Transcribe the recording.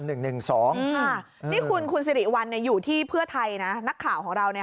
นี่คุณสิริวัลอยู่ที่เพื่อไทยนะนักข่าวของเรา